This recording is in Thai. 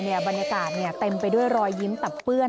บรรยากาศเต็มไปด้วยรอยยิ้มตับเปื้อน